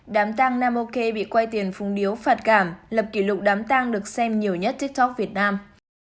đám tang nam ok bị quay tiền phung điếu phạt cảm lập kỷ lục đám tang được xem nhiều nhất tiktok việt nam